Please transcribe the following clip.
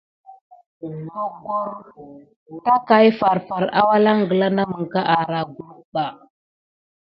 Boggor daka farfari arua kulukeb mis teɗa kumine ɓa.